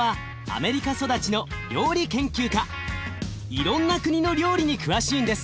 いろんな国の料理に詳しいんです。